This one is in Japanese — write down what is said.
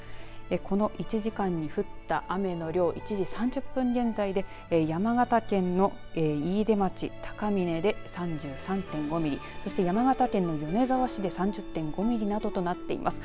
この１時間に降った雨の量１時３０分現在で山形県の飯豊町高峰で３３．５ミリそして山形県の米沢市で３０．５ミリなどとなっています。